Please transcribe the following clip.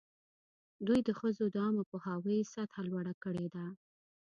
دوی د ښځو د عامه پوهاوي سطحه لوړه کړې ده.